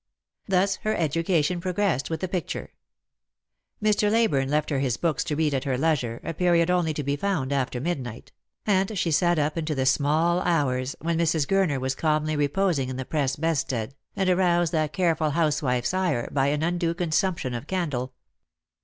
Thus her education progressed with the picture. Mr. Ley burne left her his books to read at her leisure, a period only to be found after midnight ; and she sat up into the small hours, when Mrs. Gurner was calmly reposing in the press bedstead, and aroused that careful housewife's ire by an undue consump tion of candle.